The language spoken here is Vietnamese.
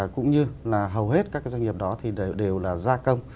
cũng như là hầu hết các doanh nghiệp đó thì đều là gia công